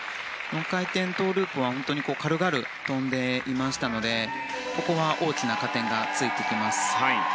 ４回転トウループは軽々跳んでいましたのでここは大きな加点がついてきます。